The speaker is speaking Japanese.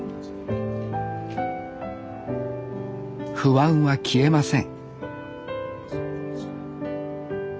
不安は消えません